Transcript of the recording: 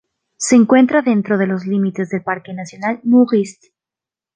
Se encuentra dentro de los límites del Parque nacional Müritz.